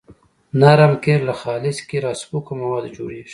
نرم قیر له خالص قیر او سپکو موادو جوړیږي